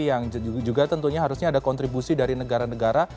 yang juga tentunya harusnya ada kontribusi dari negara negara